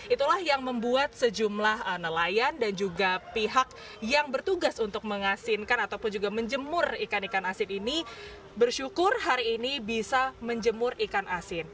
itulah yang membuat sejumlah nelayan dan juga pihak yang bertugas untuk mengasinkan ataupun juga menjemur ikan ikan asin ini bersyukur hari ini bisa menjemur ikan asin